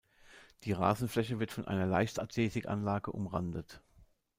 Die Rasenfläche wird von einer Leichtathletikanlage umrandet.